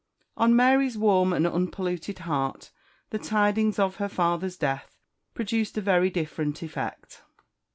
On Mary's warm and unpolluted heart the tidings of her father's death produced a very different effect.